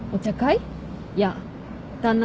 いや旦那